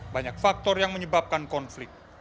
banyak faktor yang menyebabkan konflik